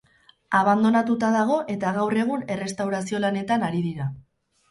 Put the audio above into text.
Abandonatuta dago eta gaur egun errestaurazio lanetan ari dira.